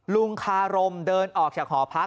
ลุงคารมเดินออกจากหอพัก